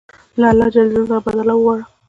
له الله ج څخه بدله وغواړه.